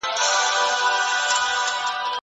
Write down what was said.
ډيموکراټيک سياست د خلګو په ګټه او خوښه پرېکړي کوي.